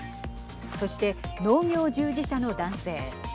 そして、農業従事者の男性。